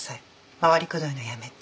回りくどいのやめて。